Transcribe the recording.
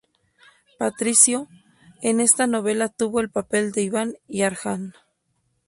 Patricio, en esta novela tuvo el papel de Ivan y Arjan.